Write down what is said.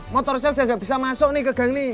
motor saya udah gak bisa masuk nih ke gang nih